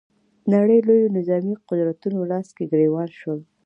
نړۍ لویو نظامي قدرتونو لاس ګرېوان شول